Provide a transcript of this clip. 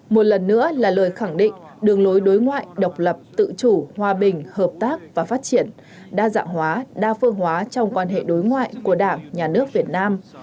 một lần nữa là lời khẳng định đường lối đối ngoại độc lập tự chủ hòa bình hợp tác và phát triển đa dạng hóa đa phương hóa trong quan hệ đối ngoại của đảng nhà nước việt nam